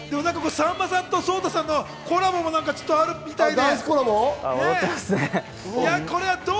さんまさんとＳＯＴＡさんのコラボもあるみたいで。